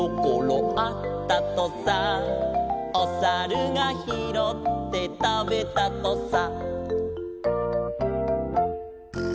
「おさるがひろってたべたとさ」